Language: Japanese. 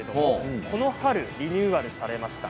この春リニューアルされました。